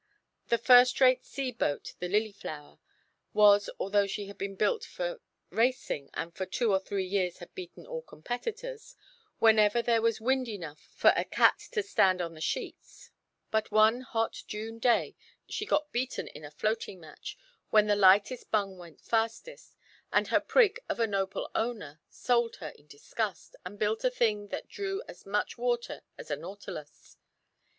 A first rate sea boat the "Lilyflower" was, although she had been built for racing, and for two or three years had beaten all competitors, whenever there was wind enough for a cat to stand on the sheets. But one hot June day she got beaten in a floating match, when the lightest bung went fastest, and her prig of a "noble owner" sold her in disgust, and built a thing that drew as much water as a nautilus.